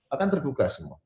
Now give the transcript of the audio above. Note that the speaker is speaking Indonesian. akan terbuka semua